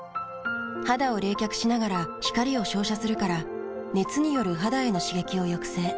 肌を冷却しながら光を照射するから熱による肌への刺激を抑制。